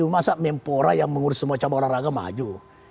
masa mempora yang mengurus semua cabang olahraga maju